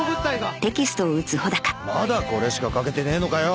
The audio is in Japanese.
まだこれしか書けてねえのかよ！